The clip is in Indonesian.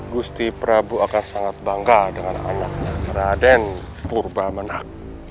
gusti prabu akan sangat bangga dengan anaknya raden purba menak